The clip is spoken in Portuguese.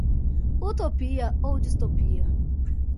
Utopia ou distopia?